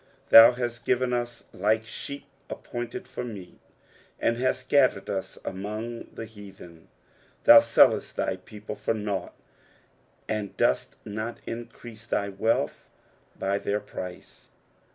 11 Thou hast given us like sheep appointed for meat ; and hast scattered us among the heathen. 12 Thou seilest thy people for nought, and dost not increase thy wealth by their price.